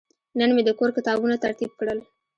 نن مې د کور کتابونه ترتیب کړل.